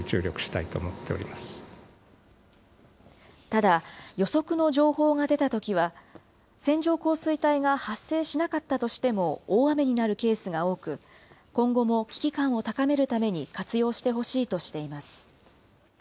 ただ、予測の情報が出たときは、線状降水帯が発生しなかったとしても大雨になるケースが多く、今後も危機感を高めるために活用してほしいとしています。